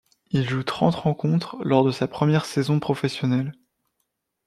Il joue trente rencontres lors de sa première saison professionnelle.